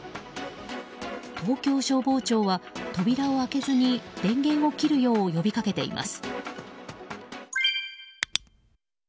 東京消防庁は扉を開けずに電源を切るよう呼びかけています。